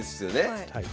はい。